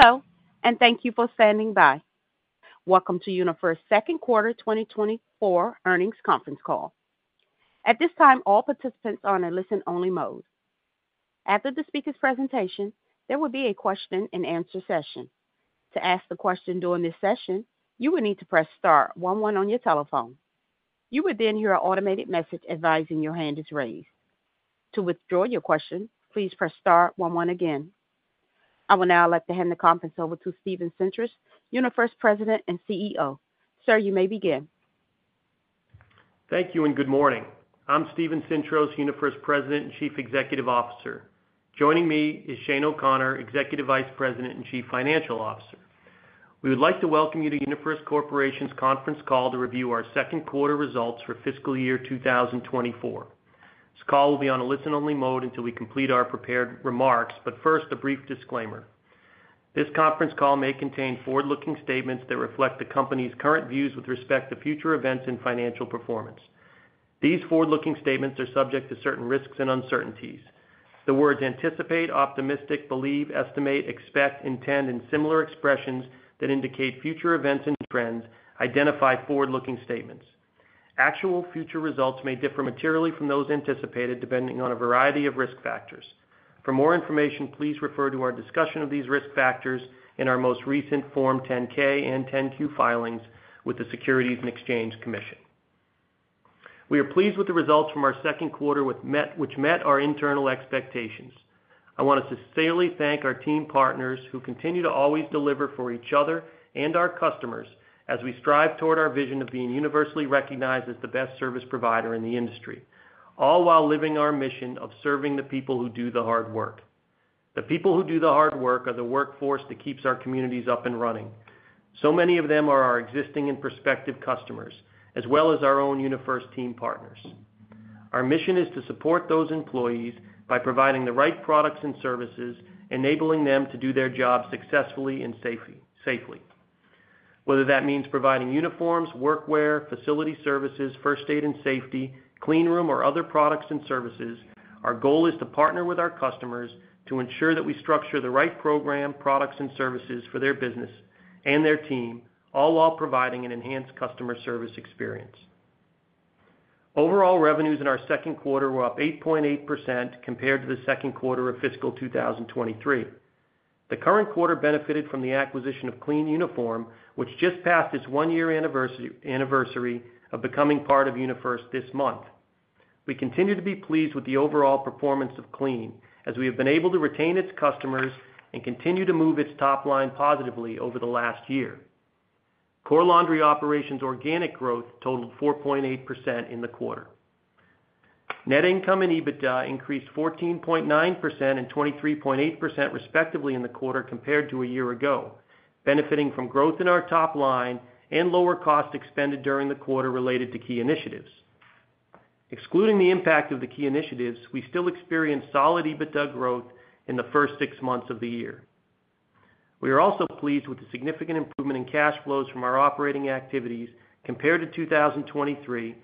Hello, and thank you for standing by. Welcome to UniFirst's Second Quarter 2024 Earnings Conference Call. At this time, all participants are in a listen-only mode. After the speaker's presentation, there will be a question-and-answer session. To ask the question during this session, you will need to press star one one on your telephone. You would then hear an automated message advising your hand is raised. To withdraw your question, please press star one one again. I will now like to hand the conference over to Steven Sintros, UniFirst's President and CEO. Sir, you may begin. Thank you and good morning. I'm Steven Sintros, UniFirst's President and Chief Executive Officer. Joining me is Shane O'Connor, Executive Vice President and Chief Financial Officer. We would like to welcome you to UniFirst Corporation's conference call to review our second quarter results for fiscal year 2024. This call will be on a listen-only mode until we complete our prepared remarks, but first, a brief disclaimer. This conference call may contain forward-looking statements that reflect the company's current views with respect to future events and financial performance. These forward-looking statements are subject to certain risks and uncertainties. The words anticipate, optimistic, believe, estimate, expect, intend, and similar expressions that indicate future events and trends identify forward-looking statements. Actual future results may differ materially from those anticipated, depending on a variety of risk factors. For more information, please refer to our discussion of these risk factors in our most recent Form 10-K and 10-Q filings with the Securities and Exchange Commission. We are pleased with the results from our second quarter, which met our internal expectations. I want to sincerely thank our Team Partners who continue to always deliver for each other and our customers as we strive toward our vision of being universally recognized as the best service provider in the industry, all while living our mission of serving the people who do the hard work. The people who do the hard work are the workforce that keeps our communities up and running. So many of them are our existing and prospective customers, as well as our own UniFirst Team Partners. Our mission is to support those employees by providing the right products and services, enabling them to do their jobs successfully and safely. Whether that means providing uniforms, workwear, facility services, First Aid and Safety, cleanroom, or other products and services, our goal is to partner with our customers to ensure that we structure the right program, products, and services for their business and their team, all while providing an enhanced customer service experience. Overall revenues in our second quarter were up 8.8% compared to the second quarter of fiscal 2023. The current quarter benefited from the acquisition of Clean Uniform, which just passed its one-year anniversary of becoming part of UniFirst this month. We continue to be pleased with the overall performance of Clean, as we have been able to retain its customers and continue to move its top line positively over the last year. Core Laundry Operations organic growth totaled 4.8% in the quarter. Net income and EBITDA increased 14.9% and 23.8%, respectively, in the quarter compared to a year ago, benefiting from growth in our top line and lower costs expended during the quarter related to key initiatives. Excluding the impact of the key initiatives, we still experienced solid EBITDA growth in the first six months of the year. We are also pleased with the significant improvement in cash flows from our operating activities compared to 2023,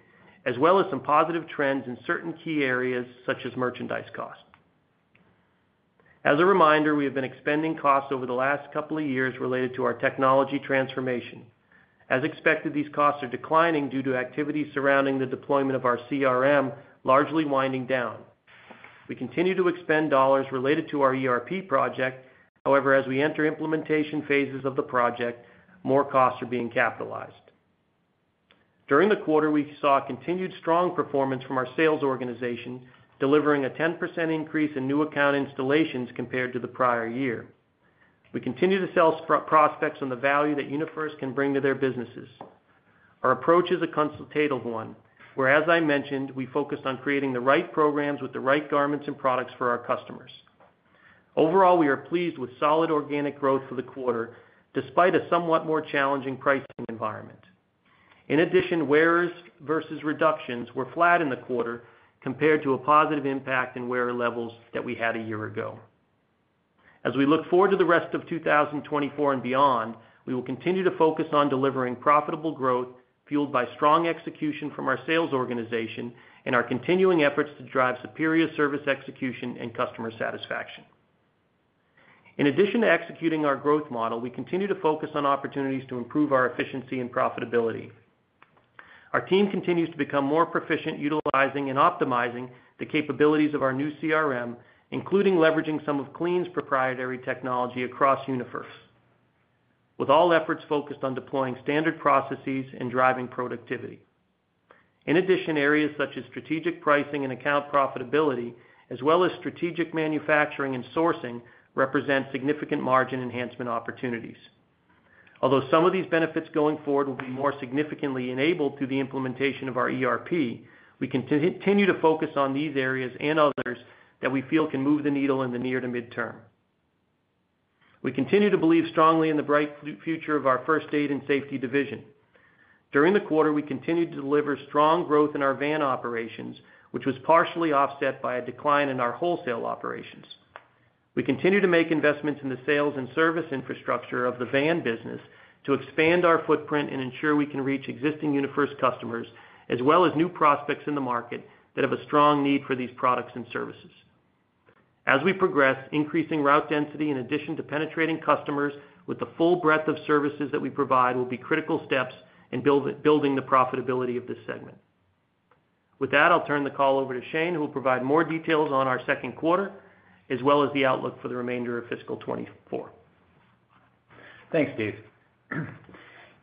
as well as some positive trends in certain key areas, such as merchandise cost. As a reminder, we have been expending costs over the last couple of years related to our technology transformation. As expected, these costs are declining due to activity surrounding the deployment of our CRM, largely winding down. We continue to expend dollars related to our ERP project. However, as we enter implementation phases of the project, more costs are being capitalized. During the quarter, we saw a continued strong performance from our sales organization, delivering a 10% increase in new account installations compared to the prior year. We continue to sell prospects on the value that UniFirst can bring to their businesses. Our approach is a consultative one, where, as I mentioned, we focused on creating the right programs with the right garments and products for our customers. Overall, we are pleased with solid organic growth for the quarter, despite a somewhat more challenging pricing environment. In addition, wearers versus reductions were flat in the quarter compared to a positive impact in wearer levels that we had a year ago. As we look forward to the rest of 2024 and beyond, we will continue to focus on delivering profitable growth, fueled by strong execution from our sales organization and our continuing efforts to drive superior service execution and customer satisfaction. In addition to executing our growth model, we continue to focus on opportunities to improve our efficiency and profitability. Our team continues to become more proficient, utilizing and optimizing the capabilities of our new CRM, including leveraging some of Clean's proprietary technology across UniFirst, with all efforts focused on deploying standard processes and driving productivity. In addition, areas such as strategic pricing and account profitability, as well as strategic manufacturing and sourcing, represent significant margin enhancement opportunities. Although some of these benefits going forward will be more significantly enabled through the implementation of our ERP, we continue to focus on these areas and others that we feel can move the needle in the near to midterm. We continue to believe strongly in the bright future of our First Aid and Safety division. During the quarter, we continued to deliver strong growth in our van operations, which was partially offset by a decline in our wholesale operations. We continue to make investments in the sales and service infrastructure of the van business to expand our footprint and ensure we can reach existing UniFirst customers, as well as new prospects in the market that have a strong need for these products and services. As we progress, increasing route density in addition to penetrating customers with the full breadth of services that we provide, will be critical steps in building the profitability of this segment. With that, I'll turn the call over to Shane, who will provide more details on our second quarter, as well as the outlook for the remainder of fiscal 2024. Thanks, Steve.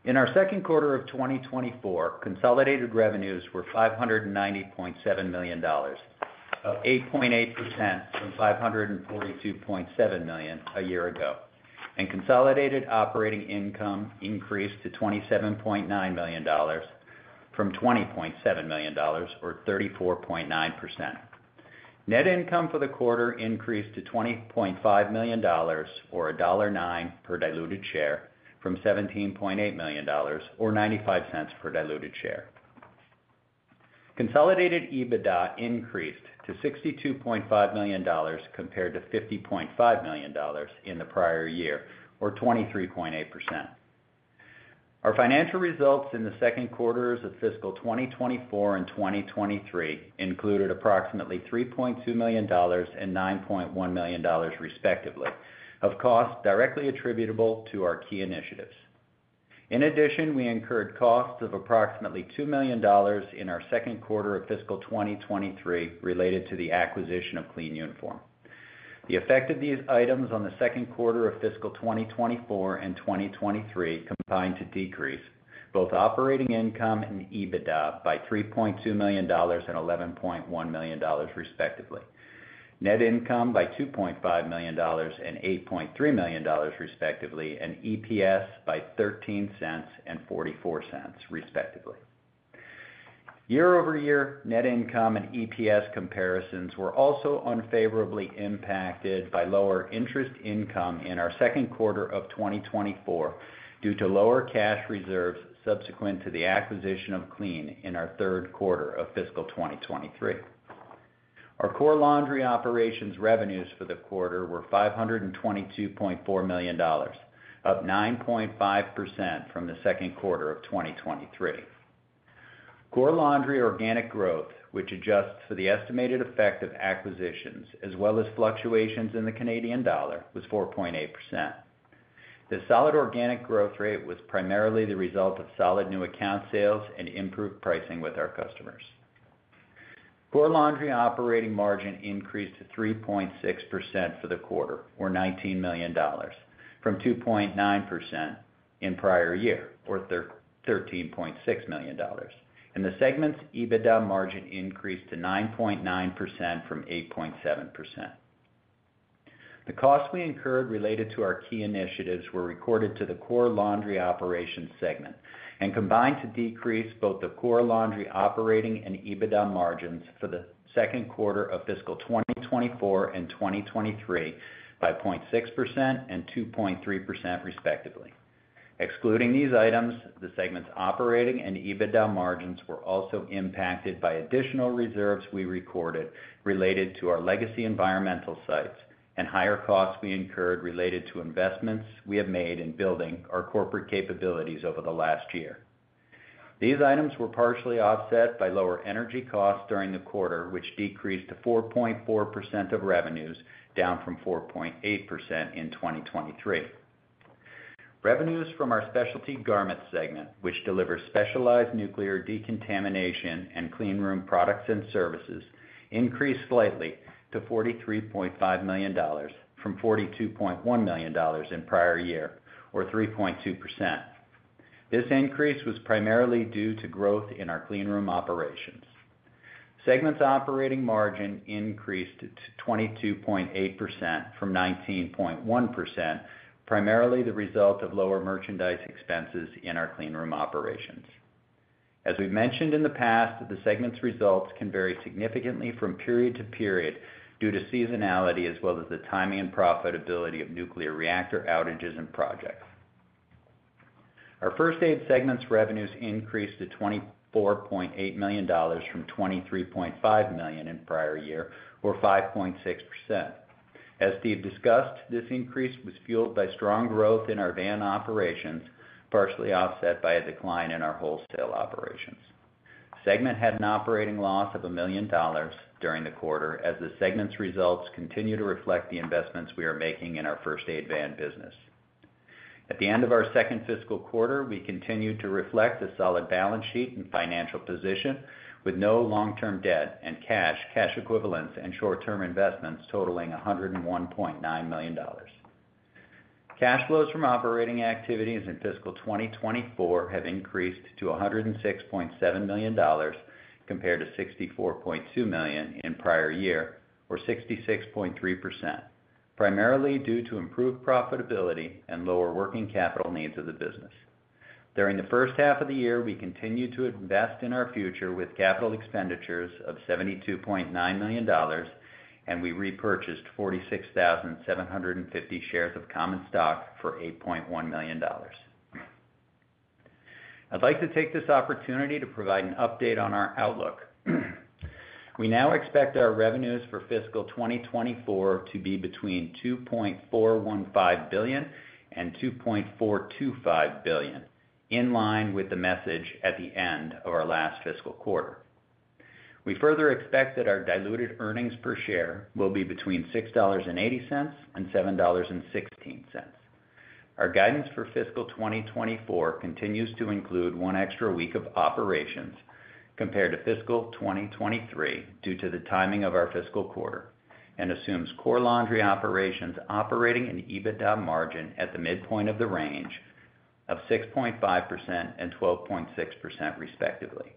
In our second quarter of 2024, consolidated revenues were $590.7 million, up 8.8% from $542.7 million a year ago. Consolidated operating income increased to $27.9 million from $20.7 million, or 34.9%. Net income for the quarter increased to $20.5 million or $1.09 per diluted share, from $17.8 million, or $0.95 per diluted share. Consolidated EBITDA increased to $62.5 million, compared to $50.5 million in the prior year, or 23.8%. Our financial results in the second quarters of fiscal 2024 and 2023 included approximately $3.2 million and $9.1 million, respectively, of costs directly attributable to our key initiatives. In addition, we incurred costs of approximately $2 million in our second quarter of fiscal 2023 related to the acquisition of Clean Uniform. The effect of these items on the second quarter of fiscal 2024 and 2023 combined to decrease both operating income and EBITDA by $3.2 million and $11.1 million, respectively. Net income by $2.5 million and $8.3 million, respectively, and EPS by $0.13 and $0.44, respectively. Year-over-year net income and EPS comparisons were also unfavorably impacted by lower interest income in our second quarter of 2024, due to lower cash reserves subsequent to the acquisition of Clean in our third quarter of fiscal 2023. Our Core Laundry Operations revenues for the quarter were $522.4 million, up 9.5% from the second quarter of 2023. Core Laundry organic growth, which adjusts for the estimated effect of acquisitions, as well as fluctuations in the Canadian dollar, was 4.8%. The solid organic growth rate was primarily the result of solid new account sales and improved pricing with our customers. Core Laundry operating margin increased to 3.6% for the quarter, or $19 million, from 2.9% in prior year, or $13.6 million, and the segment's EBITDA margin increased to 9.9% from 8.7%. The costs we incurred related to our key initiatives were recorded to the Core Laundry Operations segment and combined to decrease both the Core Laundry operating and EBITDA margins for the second quarter of fiscal 2024 and 2023 by 0.6% and 2.3%, respectively. Excluding these items, the segment's operating and EBITDA margins were also impacted by additional reserves we recorded related to our legacy environmental sites and higher costs we incurred related to investments we have made in building our corporate capabilities over the last year. These items were partially offset by lower energy costs during the quarter, which decreased to 4.4% of revenues, down from 4.8% in 2023. Revenues from our Specialty Garments segment, which delivers specialized nuclear decontamination and cleanroom products and services, increased slightly to $43.5 million from $42.1 million in prior year, or 3.2%. This increase was primarily due to growth in our cleanroom operations. Segment's operating margin increased to 22.8% from 19.1%, primarily the result of lower merchandise expenses in our cleanroom operations. As we've mentioned in the past, the segment's results can vary significantly from period to period due to seasonality, as well as the timing and profitability of nuclear reactor outages and projects. Our First Aid segment's revenues increased to $24.8 million from $23.5 million in prior year, or 5.6%. As Steve discussed, this increase was fueled by strong growth in our van operations, partially offset by a decline in our wholesale operations. Segment had an operating loss of $1 million during the quarter, as the segment's results continue to reflect the investments we are making in our First Aid van business. At the end of our second fiscal quarter, we continued to reflect a solid balance sheet and financial position, with no long-term debt and cash, cash equivalents, and short-term investments totaling $101.9 million. Cash flows from operating activities in fiscal 2024 have increased to $106.7 million, compared to $64.2 million in prior year, or 66.3%, primarily due to improved profitability and lower working capital needs of the business. During the first half of the year, we continued to invest in our future with capital expenditures of $72.9 million, and we repurchased 46,750 shares of common stock for $8.1 million. I'd like to take this opportunity to provide an update on our outlook. We now expect our revenues for fiscal 2024 to be between $2.415 billion and $2.425 billion. In line with the message at the end of our last fiscal quarter. We further expect that our diluted earnings per share will be between $6.80 and $7.16. Our guidance for fiscal 2024 continues to include one extra week of operations compared to fiscal 2023, due to the timing of our fiscal quarter, and assumes Core Laundry Operations operating an EBITDA margin at the midpoint of the range of 6.5% and 12.6%, respectively.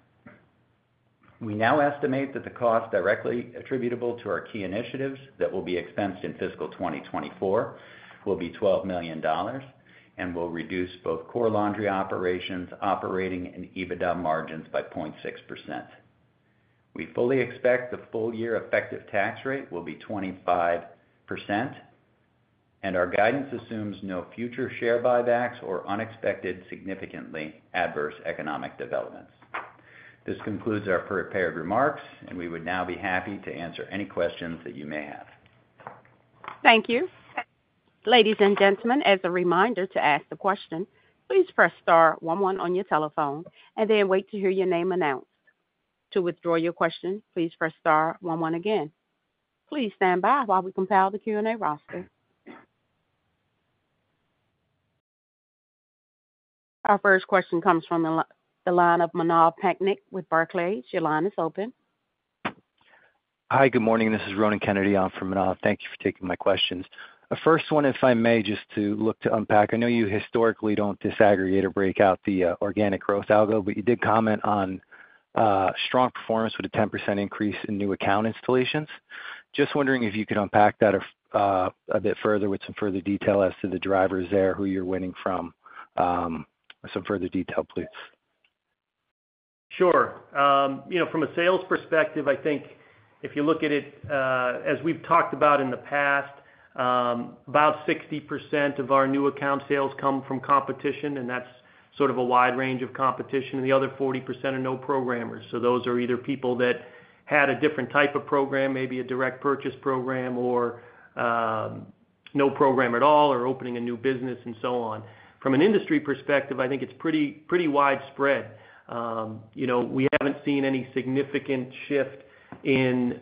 We now estimate that the cost directly attributable to our key initiatives that will be expensed in fiscal 2024, will be $12 million and will reduce both Core Laundry Operations operating and EBITDA margins by 0.6%. We fully expect the full year effective tax rate will be 25%, and our guidance assumes no future share buybacks or unexpected, significantly adverse economic developments. This concludes our prepared remarks, and we would now be happy to answer any questions that you may have. Thank you. Ladies and gentlemen, as a reminder to ask the question, please press star one one on your telephone and then wait to hear your name announced. To withdraw your question, please press star one one again. Please stand by while we compile the Q&A roster. Our first question comes from the line of Manav Patnaik with Barclays. Your line is open. Hi, good morning. This is Ronan Kennedy on for Manav. Thank you for taking my questions. The first one, if I may, just to look to unpack. I know you historically don't disaggregate or break out the organic growth algo, but you did comment on strong performance with a 10% increase in new account installations. Just wondering if you could unpack that a bit further with some further detail as to the drivers there, who you're winning from, some further detail, please. Sure. You know, from a sales perspective, I think if you look at it, as we've talked about in the past, about 60% of our new account sales come from competition, and that's sort of a wide range of competition, and the other 40% are no-programmers. So those are either people that had a different type of program, maybe a direct purchase program or, no program at all, or opening a new business, and so on. From an industry perspective, I think it's pretty, pretty widespread. You know, we haven't seen any significant shift in,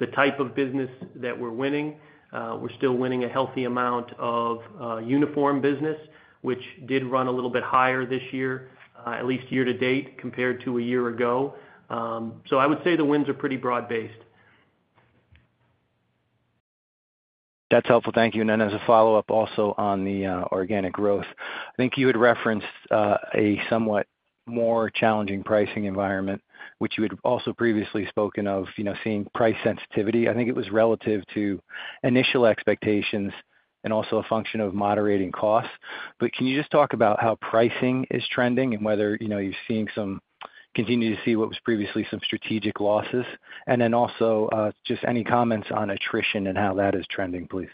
the type of business that we're winning. We're still winning a healthy amount of, uniform business, which did run a little bit higher this year, at least year to date, compared to a year ago. So, I would say the wins are pretty broad-based. That's helpful. Thank you. And then as a follow-up, also on the organic growth. I think you had referenced a somewhat more challenging pricing environment, which you had also previously spoken of, you know, seeing price sensitivity. I think it was relative to initial expectations and also a function of moderating costs. But can you just talk about how pricing is trending and whether, you know, you're seeing some continue to see what was previously some strategic losses? And then also, just any comments on attrition and how that is trending, please.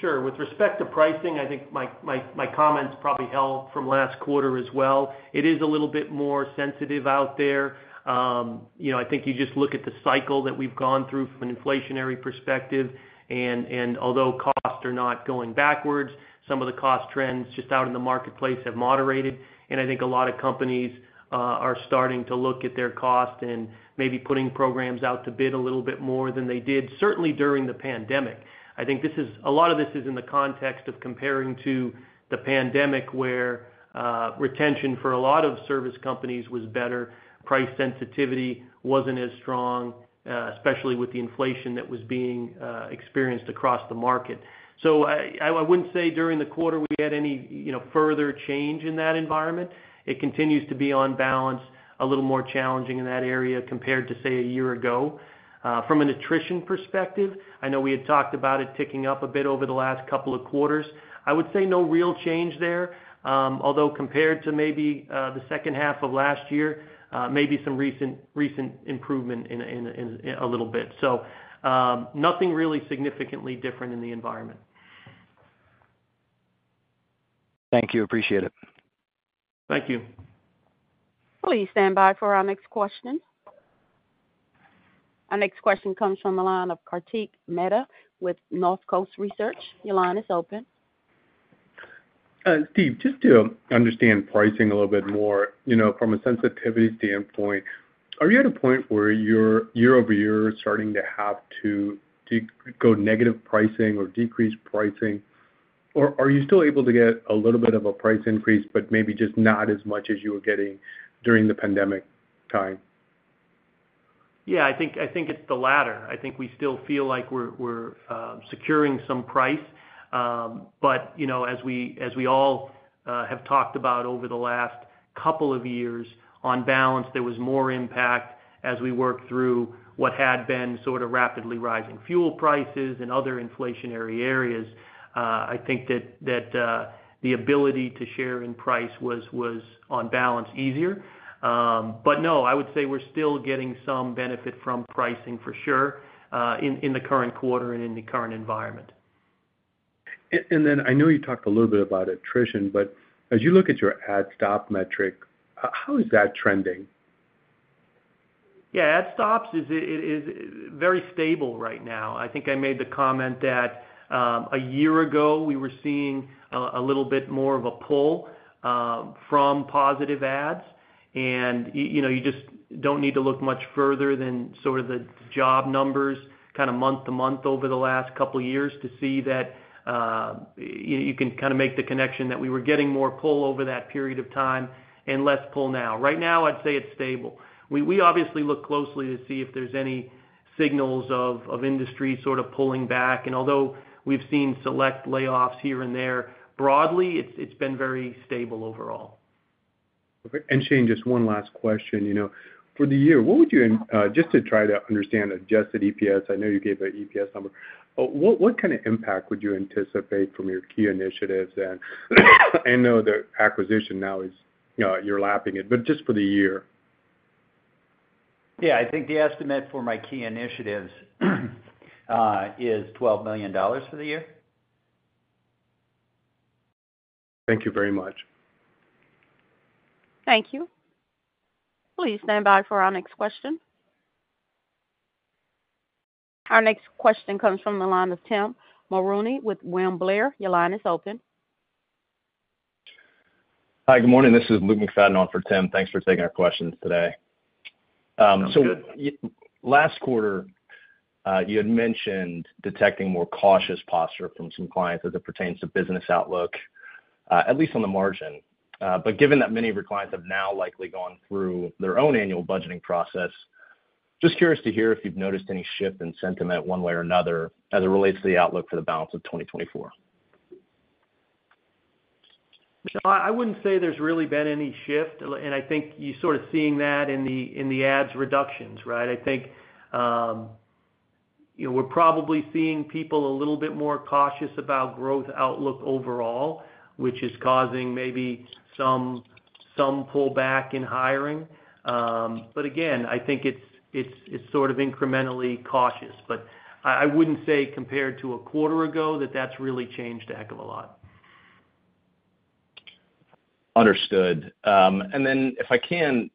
Sure. With respect to pricing, I think my comments probably held from last quarter as well. It is a little bit more sensitive out there. You know, I think you just look at the cycle that we've gone through from an inflationary perspective, and although costs are not going backwards, some of the cost trends just out in the marketplace have moderated. And I think a lot of companies are starting to look at their cost and maybe putting programs out to bid a little bit more than they did, certainly during the pandemic. I think this is a lot of this is in the context of comparing to the pandemic, where retention for a lot of service companies was better. Price sensitivity wasn't as strong, especially with the inflation that was being experienced across the market. So I wouldn't say during the quarter we had any, you know, further change in that environment. It continues to be, on balance, a little more challenging in that area compared to, say, a year ago. From an attrition perspective, I know we had talked about it ticking up a bit over the last couple of quarters. I would say no real change there, although compared to maybe the second half of last year, maybe some recent improvement in a little bit. So, nothing really significantly different in the environment. Thank you. Appreciate it. Thank you. Please stand by for our next question. Our next question comes from the line of Kartik Mehta with Northcoast Research. Your line is open. Steve, just to understand pricing a little bit more, you know, from a sensitivity standpoint, are you at a point where you're year-over-year, starting to have to go negative pricing or decrease pricing, or are you still able to get a little bit of a price increase, but maybe just not as much as you were getting during the pandemic time? Yeah, I think, I think it's the latter. I think we still feel like we're securing some price. But you know, as we all have talked about over the last couple of years, on balance, there was more impact as we worked through what had been sort of rapidly rising fuel prices and other inflationary areas. I think that the ability to share in price was on balance easier. But no, I would say we're still getting some benefit from pricing for sure in the current quarter and in the current environment. And then I know you talked a little bit about attrition, but as you look at your add/stop metric, how is that trending? Yeah, add/stop is very stable right now. I think I made the comment that, a year ago, we were seeing a little bit more of a pull from positive adds. And you know, you just don't need to look much further than sort of the job numbers, kind of month-to-month over the last couple of years to see that, you can kind of make the connection that we were getting more pull over that period of time and less pull now. Right now, I'd say it's stable. We obviously look closely to see if there's any signals of industry sort of pulling back. And although we've seen select layoffs here and there, broadly, it's been very stable overall. Okay, and Shane, just one last question. You know, for the year, what would you just to try to understand adjusted EPS, I know you gave an EPS number. What kind of impact would you anticipate from your key initiatives? And I know the acquisition now is, you know, you're lapping it, but just for the year. Yeah, I think the estimate for my key initiatives is $12 million for the year. Thank you very much. Thank you. Please stand by for our next question. Our next question comes from the line of Tim Mulrooney with William Blair. Your line is open. Hi, good morning. This is Luke McFadden on for Tim. Thanks for taking our questions today. So last quarter, you had mentioned detecting more cautious posture from some clients as it pertains to business outlook, at least on the margin. But given that many of your clients have now likely gone through their own annual budgeting process, just curious to hear if you've noticed any shift in sentiment one way or another as it relates to the outlook for the balance of 2024. No, I wouldn't say there's really been any shift, and I think you're sort of seeing that in the adds/reductions, right? I think, you know, we're probably seeing people a little bit more cautious about growth outlook overall, which is causing maybe some pullback in hiring. But again, I think it's sort of incrementally cautious, but I wouldn't say compared to a quarter ago, that that's really changed a heck of a lot. Understood. And then if I can,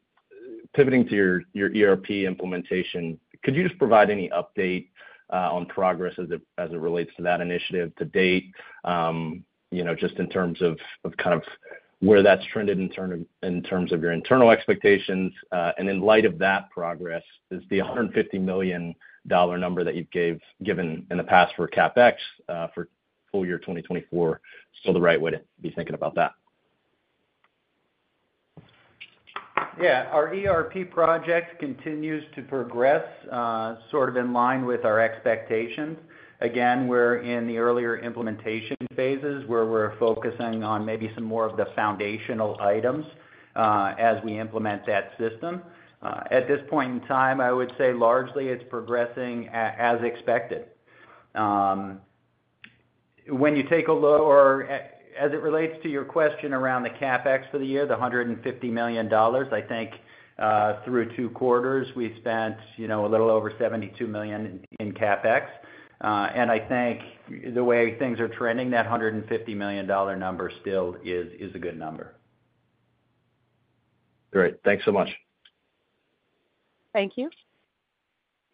pivoting to your ERP implementation, could you just provide any update on progress as it relates to that initiative to date? You know, just in terms of kind of where that's trended in terms of your internal expectations, and in light of that progress, is the $150-million number that you've given in the past for CapEx for full year 2024 still the right way to be thinking about that? Yeah, our ERP project continues to progress, sort of in line with our expectations. Again, we're in the earlier implementation phases, where we're focusing on maybe some more of the foundational items, as we implement that system. At this point in time, I would say largely it's progressing as expected. When you take a look or as it relates to your question around the CapEx for the year, the $150 million, I think, through two quarters, we've spent, you know, a little over $72 million in CapEx. And I think the way things are trending, that $150-million number still is a good number. Great. Thanks so much. Thank you.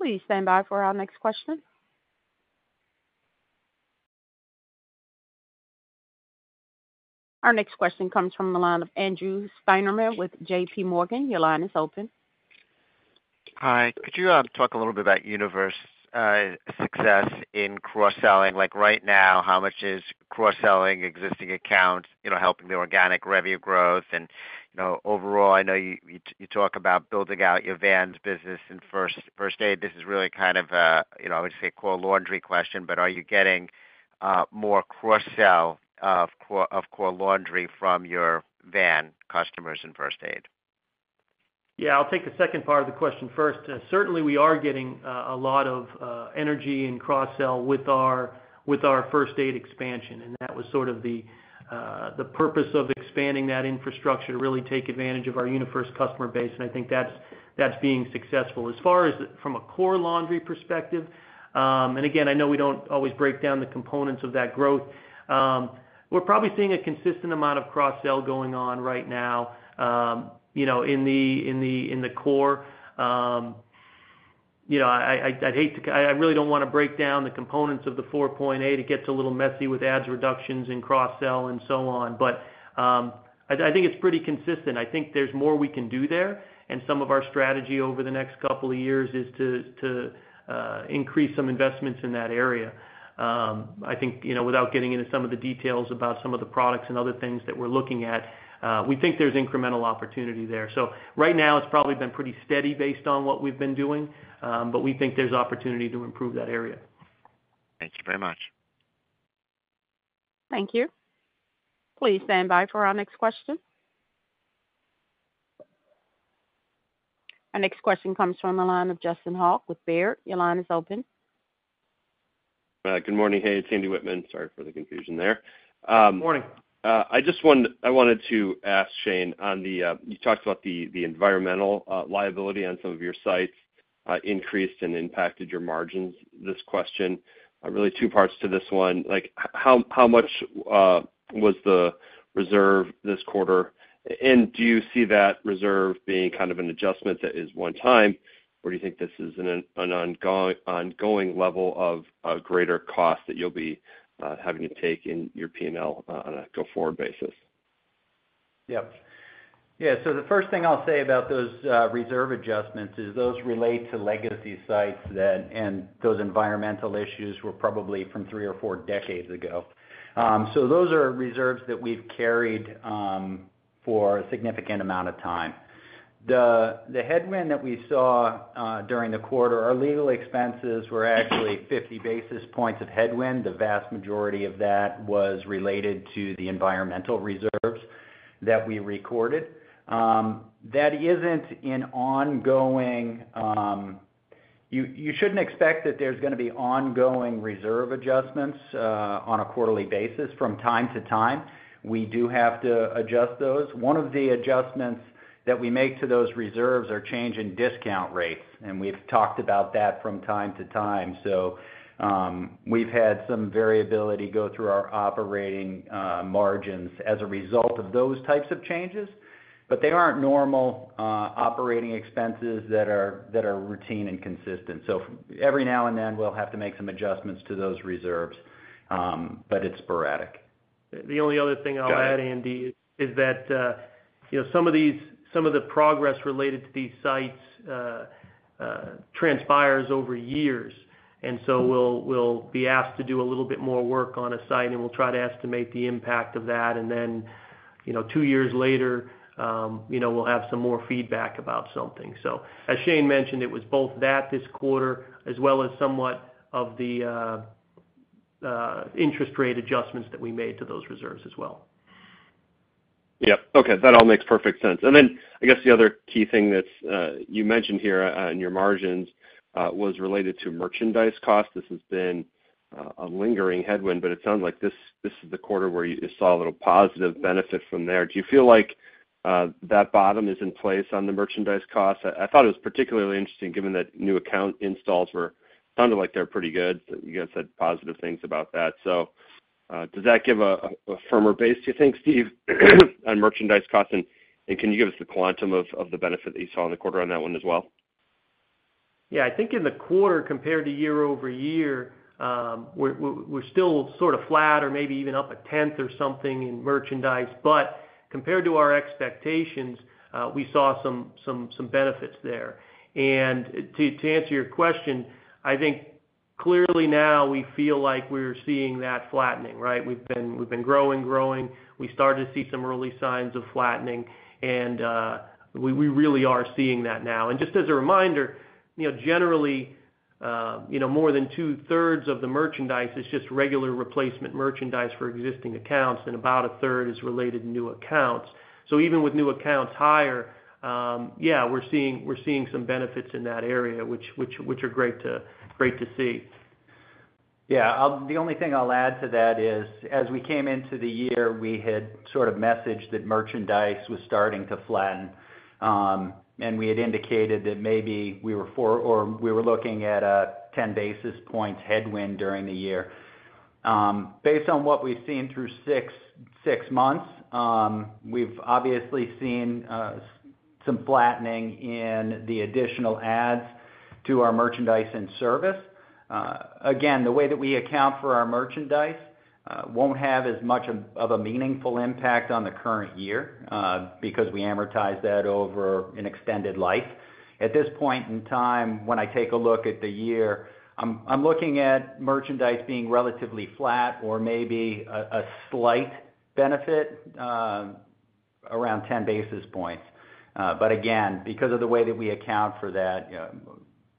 Please stand by for our next question. Our next question comes from the line of Andrew Steinerman with JPMorgan. Your line is open. Hi. Could you talk a little bit about UniFirst's success in cross-selling? Like, right now, how much is cross-selling existing accounts, you know, helping the organic revenue growth? And, you know, overall, I know you talk about building out your vans business and First Aid. This is really kind of, you know, I would say, Core Laundry question, but are you getting more cross-sell of Core Laundry from your van customers in First Aid? Yeah, I'll take the second part of the question first. Certainly, we are getting a lot of energy and cross-sell with our First Aid expansion, and that was sort of the purpose of expanding that infrastructure, to really take advantage of our UniFirst customer base, and I think that's being successful. As far as from a Core Laundry perspective, and again, I know we don't always break down the components of that growth. We're probably seeing a consistent amount of cross-sell going on right now, you know, in the core. You know, I'd hate to. I really don't wanna break down the components of the four point eight. It gets a little messy with adds/reductions and cross-sell and so on. But, I think it's pretty consistent. I think there's more we can do there, and some of our strategy over the next couple of years is to increase some investments in that area. I think, you know, without getting into some of the details about some of the products and other things that we're looking at, we think there's incremental opportunity there. So right now, it's probably been pretty steady based on what we've been doing, but we think there's opportunity to improve that area. Thank you very much. Thank you. Please stand by for our next question. Our next question comes from the line of Justin Hauke with Baird. Your line is open. Good morning. Hey, it's Andrew Wittmann. Sorry for the confusion there. Good morning. I just want- I wanted to ask Shane, on the, you talked about the environmental liability on some of your sites. Increased and impacted your margins. This question really two parts to this one. Like, how much was the reserve this quarter? And do you see that reserve being kind of an adjustment that is one time, or do you think this is an ongoing level of greater cost that you'll be having to take in your P&L on a go-forward basis? Yep. Yeah, so the first thing I'll say about those, reserve adjustments is those relate to legacy sites that and those environmental issues were probably from three or four decades ago. So those are reserves that we've carried, for a significant amount of time. The, the headwind that we saw, during the quarter, our legal expenses were actually fifty basis points of headwind. The vast majority of that was related to the environmental reserves that we recorded. That isn't an ongoing... You, you shouldn't expect that there's gonna be ongoing reserve adjustments, on a quarterly basis. From time to time, we do have to adjust those. One of the adjustments that we make to those reserves are change in discount rates, and we've talked about that from time to time. We've had some variability go through our operating margins as a result of those types of changes, but they aren't normal operating expenses that are routine and consistent. Every now and then, we'll have to make some adjustments to those reserves, but it's sporadic. The only other thing I'll add, Andy, is that, you know, some of the progress related to these sites transpires over years. And so we'll be asked to do a little bit more work on a site, and we'll try to estimate the impact of that. And then, you know, two years later, you know, we'll have some more feedback about something. So as Shane mentioned, it was both that this quarter, as well as somewhat of the interest rate adjustments that we made to those reserves as well. Yep. Okay, that all makes perfect sense. And then, I guess the other key thing that's, you mentioned here, in your margins, was related to merchandise costs. This has been, a lingering headwind, but it sounds like this, this is the quarter where you saw a little positive benefit from there. Do you feel like, that bottom is in place on the merchandise costs? I thought it was particularly interesting, given that new account installs sounded like they're pretty good. You guys said positive things about that. So, does that give a firmer base, do you think, Steve, on merchandise costs? And can you give us the quantum of the benefit that you saw in the quarter on that one as well? Yeah, I think in the quarter, compared to year-over-year, we're still sort of flat or maybe even up a tenth or something in merchandise. But compared to our expectations, we saw some benefits there. And to answer your question, I think clearly now we feel like we're seeing that flattening, right? We've been growing. We started to see some early signs of flattening, and we really are seeing that now. And just as a reminder, you know, generally, you know, more than two-thirds of the merchandise is just regular replacement merchandise for existing accounts, and about a third is related to new accounts. So even with new accounts higher, yeah, we're seeing some benefits in that area, which are great to see. Yeah, I'll the only thing I'll add to that is, as we came into the year, we had sort of messaged that merchandise was starting to flatten. And we had indicated that maybe we were four or we were looking at a 10 basis points headwind during the year. Based on what we've seen through six months, we've obviously seen some flattening in the additional adds to our merchandise and service. Again, the way that we account for our merchandise won't have as much of a meaningful impact on the current year because we amortize that over an extended life. At this point in time, when I take a look at the year, I'm looking at merchandise being relatively flat or maybe a slight benefit around 10 basis points. But again, because of the way that we account for that,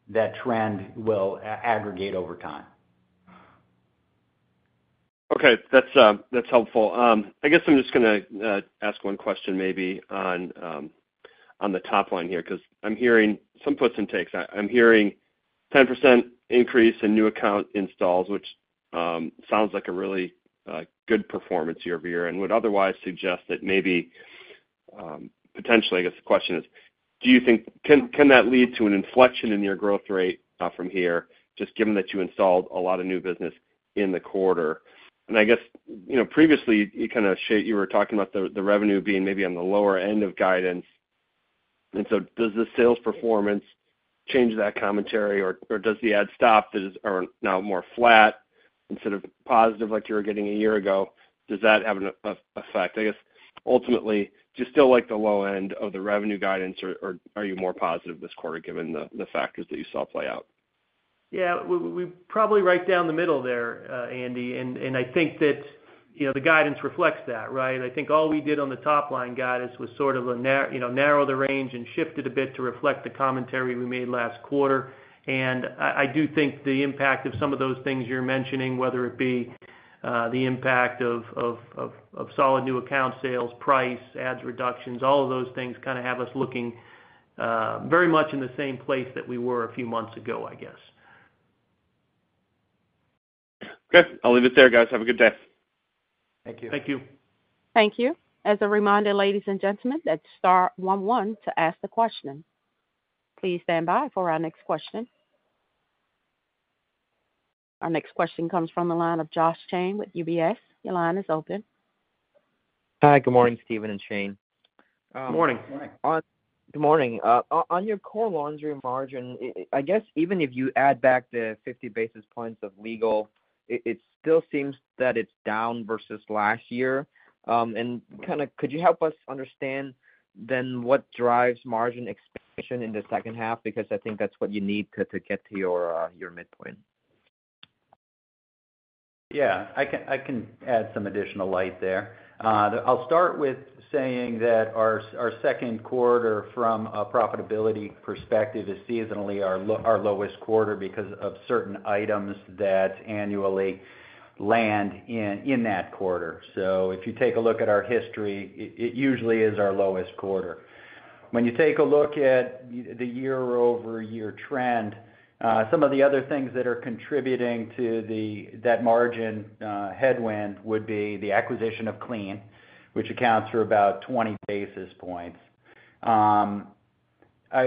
that trend will aggregate over time. Okay. That's, that's helpful. I guess I'm just gonna ask one question maybe on, on the top line here, 'cause I'm hearing some puts and takes. I'm hearing 10% increase in new account installs, which sounds like a really good performance year-over-year, and would otherwise suggest that maybe, potentially, I guess the question is, do you think, can that lead to an inflection in your growth rate, from here, just given that you installed a lot of new business in the quarter? And I guess, you know, previously, you kind of shaded you were talking about the, the revenue being maybe on the lower end of guidance. And so does the sales performance change that commentary, or does the add/stop are now more flat instead of positive, like you were getting a year ago? Does that have an effect? I guess, ultimately, do you still like the low-end of the revenue guidance, or are you more positive this quarter, given the factors that you saw play out? Yeah, we're probably right down the middle there, Andy, and I think that, you know, the guidance reflects that, right? I think all we did on the top-line guidance was sort of a, you know, narrow the range and shift it a bit to reflect the commentary we made last quarter. And I do think the impact of some of those things you're mentioning, whether it be the impact of solid new account sales, price, adds/reductions, all of those things kind of have us looking very much in the same place that we were a few months ago, I guess. Okay, I'll leave it there, guys. Have a good day. Thank you. Thank you. Thank you. As a reminder, ladies and gentlemen, that's star one one to ask the question. Please stand by for our next question. Our next question comes from the line of Josh Chan with UBS. Your line is open. Hi, good morning, Steven and Shane. Morning. Morning. Good morning. On your Core Laundry margin, I guess, even if you add back the 50 basis points of legal, it still seems that it's down versus last year. And kind of could you help us understand then, what drives margin expansion in the second half? Because I think that's what you need to get to your midpoint. Yeah, I can add some additional light there. I'll start with saying that our second quarter, from a profitability perspective, is seasonally our lowest quarter because of certain items that annually land in that quarter. So if you take a look at our history, it usually is our lowest quarter. When you take a look at the year-over-year trend, some of the other things that are contributing to that margin headwind would be the acquisition of Clean, which accounts for about 20 basis points.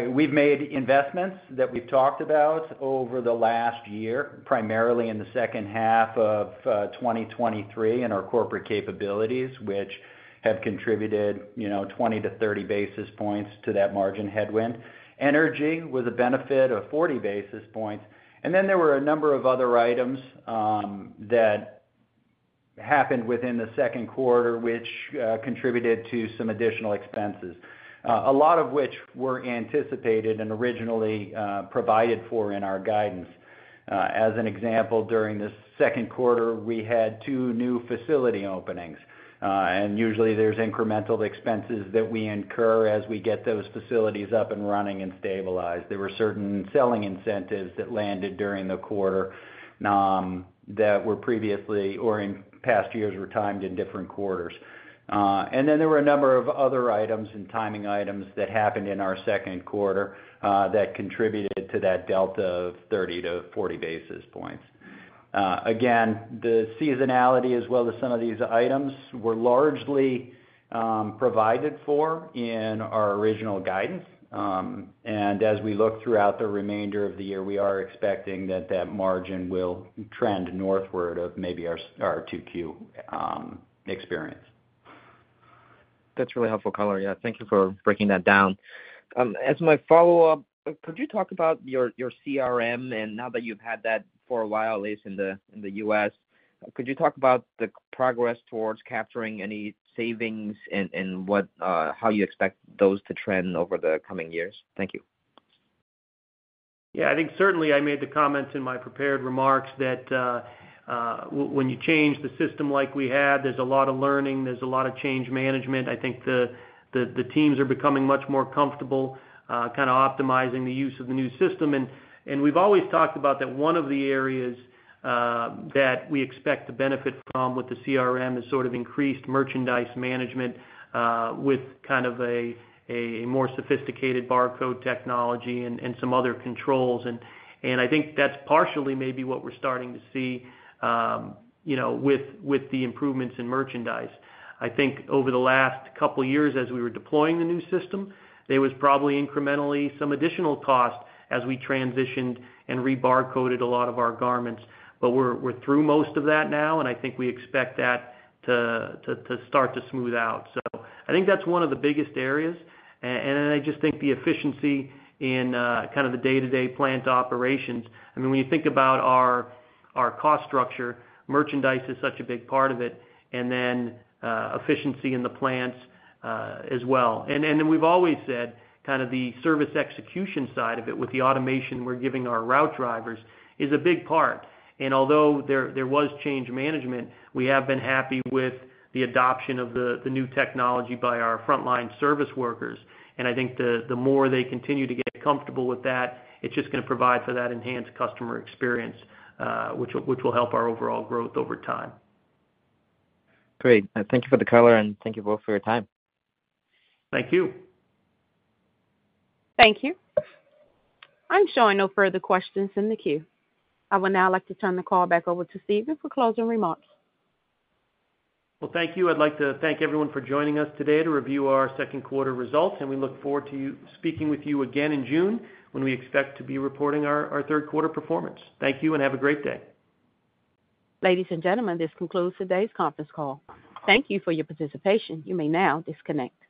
We've made investments that we've talked about over the last year, primarily in the second half of 2023 in our corporate capabilities, which have contributed, you know, 20-30 basis points to that margin headwind. Energy was a benefit of 40 basis points. And then there were a number of other items that happened within the second quarter, which contributed to some additional expenses, a lot of which were anticipated and originally provided for in our guidance. As an example, during the second quarter, we had two new facility openings, and usually there's incremental expenses that we incur as we get those facilities up and running and stabilized. There were certain selling incentives that landed during the quarter, that were previously or in past years, were timed in different quarters. And then there were a number of other items and timing items that happened in our second quarter, that contributed to that delta of 30-40 basis points. Again, the seasonality, as well as some of these items, were largely provided for in our original guidance. As we look throughout the remainder of the year, we are expecting that that margin will trend northward of maybe our 2Q experience. That's really helpful color. Yeah, thank you for breaking that down. As my follow-up, could you talk about your, your CRM? And now that you've had that for a while, at least in the, in the U.S., could you talk about the progress towards capturing any savings and, and what, how you expect those to trend over the coming years? Thank you. Yeah, I think certainly I made the comments in my prepared remarks that, when you change the system like we had, there's a lot of learning, there's a lot of change management. I think the teams are becoming much more comfortable kind of optimizing the use of the new system. And we've always talked about that one of the areas that we expect to benefit from with the CRM is sort of increased merchandise management with kind of a more sophisticated barcode technology and some other controls. And I think that's partially maybe what we're starting to see, you know, with the improvements in merchandise. I think over the last couple of years, as we were deploying the new system, there was probably incrementally some additional cost as we transitioned and re-barcoded a lot of our garments. But we're through most of that now, and I think we expect that to start to smooth out. So I think that's one of the biggest areas. And then I just think the efficiency in kind of the day-to-day plant operations. I mean, when you think about our cost structure, merchandise is such a big part of it, and then efficiency in the plants as well. And then we've always said, kind of the service execution side of it, with the automation we're giving our route drivers, is a big part. Although there was change management, we have been happy with the adoption of the new technology by our frontline service workers. And I think the more they continue to get comfortable with that, it's just gonna provide for that enhanced customer experience, which will help our overall growth over time. Great. Thank you for the color, and thank you both for your time. Thank you. Thank you. I'm showing no further questions in the queue. I would now like to turn the call back over to Steven for closing remarks. Well, thank you. I'd like to thank everyone for joining us today to review our second quarter results, and we look forward to speaking with you again in June, when we expect to be reporting our third quarter performance. Thank you, and have a great day. Ladies and gentlemen, this concludes today's conference call. Thank you for your participation. You may now disconnect.